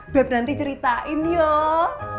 beb nanti ceritain yuk